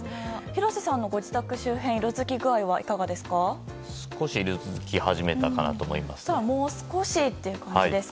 廣瀬さんのご自宅周辺の色づき具合は少し色づき始めたかなと思います。